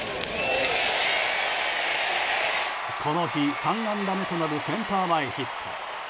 この日、３安打目となるセンター前ヒット。